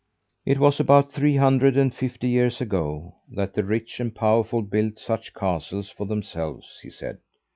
It was about three hundred and fifty years ago that the rich and powerful built such castles for themselves, he said.